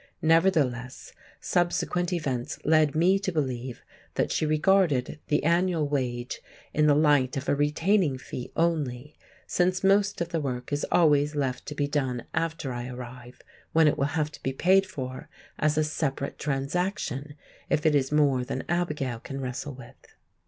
Nevertheless, subsequent events led me to believe that she regarded the annual wage in the light of a retaining fee only, since most of the work is always left to be done after I arrive, when it will have to be paid for as a separate transaction if it is more than Abigail can wrestle with.